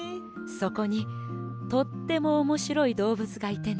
そこにとってもおもしろいどうぶつがいてね。